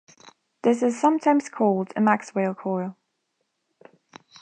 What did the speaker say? This is sometimes called a Maxwell coil.